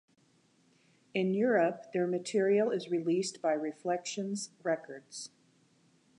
In Europe their material is released by Reflections Records.